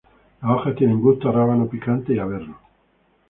Las hojas tienen gusto a rábano picante y a berro.